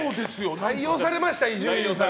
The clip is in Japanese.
採用されました、伊集院さん。